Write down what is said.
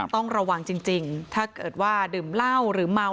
ต้องระวังจริงถ้าเกิดว่าดื่มเหล้าหรือเมา